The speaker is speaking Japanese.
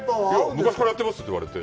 昔からやってますって言われて。